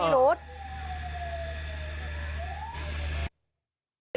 พี่นิรุฑทำงานอยู่โรงกลึงฝั่งตรงข้าม